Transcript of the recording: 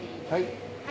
はい。